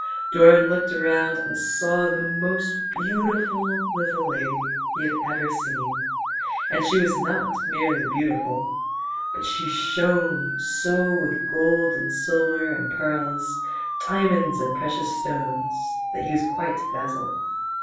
Doran looked round and saw the most beautiful little lady he had ever seen ; and she was not merely beauti ful, but she shone so with gold and silver and pearls, dia monds and precious stones, that he was quite dazzled.